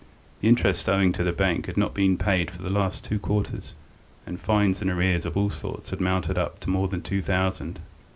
The interest owing to the bank had not been paid for the last two quarters, and fines and arrears of all sorts had mounted up to more than two thousand.